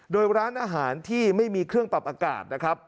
โดยร้านอาหารที่ไม่มีเครื่องปรับอากาศนะครับ